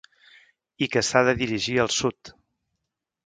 I que s’ha de dirigir al sud.